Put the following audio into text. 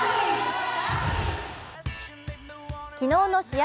昨日の試合